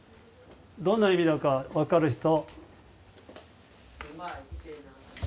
どんな意味だかわかる人？